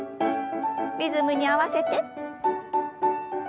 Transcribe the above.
リズムに合わせて。